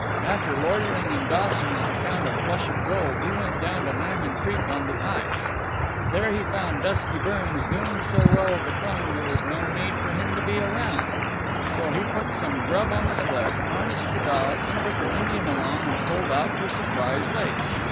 After loiterin' in Dawson on account of Flush of Gold, he went down to Mammon Creek on the ice. And there he found Dusky Burns doing so well with the claim, there was no need for him to be around. So he put some grub on the sled, harnessed the dogs, took an Indian along, and pulled out for Surprise Lake.